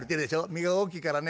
目が大きいからね